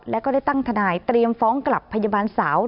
และก็ได้ตั้งทนายเตรียมฟ้องกลับพยาบาลสาว